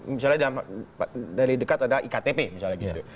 misalnya dari dekat ada iktp misalnya gitu